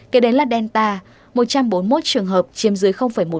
kế đến là delta một trăm bốn mươi một trường hợp chiếm dưới một